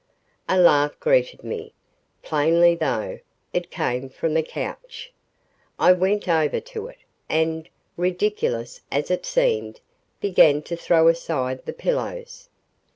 A laugh greeted me. Plainly, though, it came from the couch. I went over to it and, ridiculous as it seemed, began to throw aside the pillows.